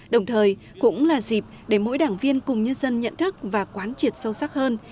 đồng thời cũng là dịp để mỗi đảng viên cùng nhân dân nhận thức và quán triệt sâu sắc hơn